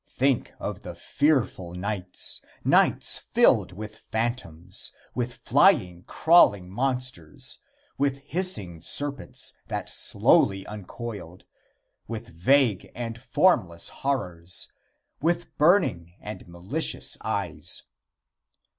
Think of the fearful nights nights filled with phantoms, with flying, crawling monsters, with hissing serpents that slowly uncoiled, with vague and formless horrors, with burning and malicious eyes.